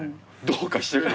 どうかしてる。